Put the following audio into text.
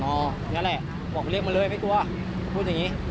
นั่นแหละบอกเรียกมาเลยไม่กลัวพูดอย่างนี้